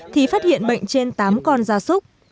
thì phát hiện bệnh trên tám con gia súc